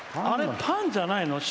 あれ、パンじゃないの？